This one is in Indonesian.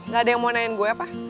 gak ada yang mau nanyain gue apa